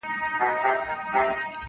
مرور سهار به خامخا ستنېږي,